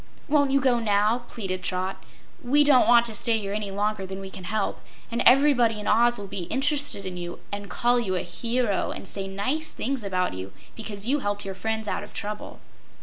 "Won't you go now?" pleaded Trot. "We don't want to stay here any longer than we can help, and everybody in Oz will be interested in you, and call you a hero, and say nice things about you because you helped your friends out of trouble."